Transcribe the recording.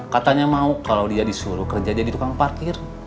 katanya mau kalau dia disuruh kerja aja di tukang partir